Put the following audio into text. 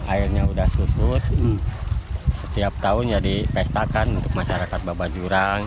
airnya sudah susut setiap tahun ya dipestakan untuk masyarakat babat jurang